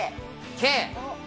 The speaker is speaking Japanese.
Ｋ。